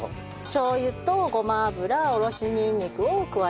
しょう油とごま油おろしにんにくを加えてください。